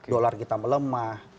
dolar kita melemah